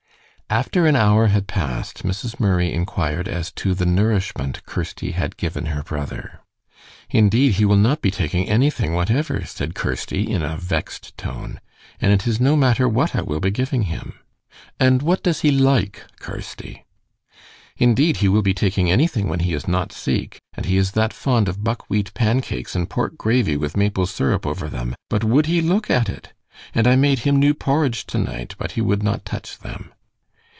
After an hour had passed, Mrs. Murray inquired as to the nourishment Kirsty had given her brother. "Indeed, he will not be taking anything whatever," said Kirsty, in a vexed tone. "And it is no matter what I will be giving him." "And what does he like, Kirsty?" "Indeed, he will be taking anything when he is not seek, and he is that fond of buckwheat pancakes and pork gravy with maple syrup over them, but would he look at it! And I made him new porridge to night, but he would not touch them."